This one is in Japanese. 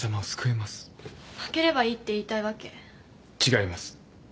負ければいいって言いたいわけ？違います。